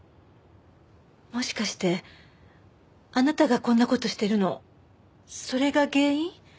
もしかしてあなたがこんな事してるのそれが原因？